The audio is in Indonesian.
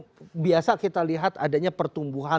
ketika lebaran itu biasa kita lihat adanya pertumbuhan